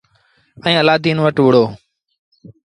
ائيٚݩ الآدين وٽ وُهڙو۔